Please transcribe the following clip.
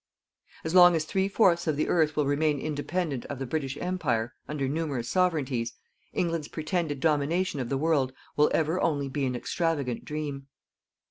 As long as three fourths of the earth will remain independent of the British Empire, under numerous sovereignties, England's pretended domination of the world will ever only be an extravagant dream.